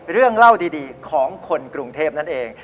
เรื่องเล่าดีของคนกรุงเทพนั่นเอง